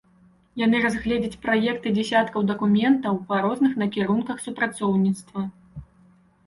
Яны разгледзяць праекты дзясяткаў дакументаў па розных накірунках супрацоўніцтва.